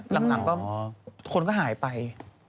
หลังก็คนก็หายไป